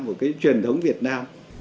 của cái truyền thống việt nam